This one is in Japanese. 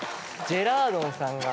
ジェラードンさんが。